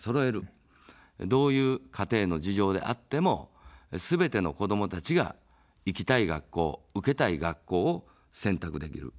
どういう家庭の事情であっても、すべての子どもたちが行きたい学校、受けたい学校を選択できる。